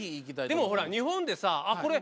でもほら日本でさこれ。